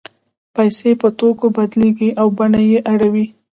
پیسې په توکو بدلېږي او بڼه یې اوړي